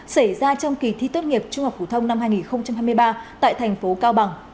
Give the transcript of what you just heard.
xảy ra trong kỳ thi tốt nghiệp trung học phổ thông năm hai nghìn hai mươi ba tại thành phố cao bằng